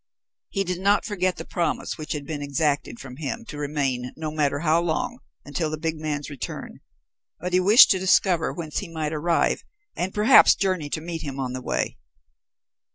He did not forget the promise which had been exacted from him to remain, no matter how long, until the big man's return, but he wished to discover whence he might arrive, and perhaps journey to meet him on the way.